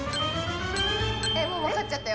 えっもうわかっちゃったよ。